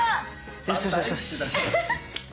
よしよしよし！